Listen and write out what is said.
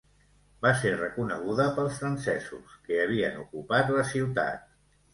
Va ser reconeguda pels francesos, que havien ocupat la ciutat.